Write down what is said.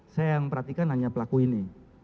saya yang perhatikan hanya pelaku ini